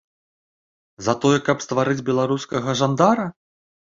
За тое, каб стварыць беларускага жандара?